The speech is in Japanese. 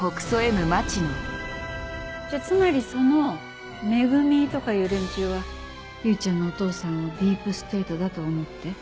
じゃつまりその「め組」とかいう連中は唯ちゃんのお父さんをディープステートだと思って？